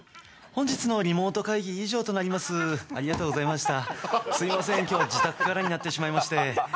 本日のリモート会議以上となりました、すみません、自宅からになっちゃいまして。